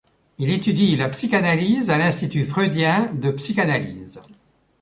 Il étudie la psychanalyse à l’Institut Freudien de Psychanalyse.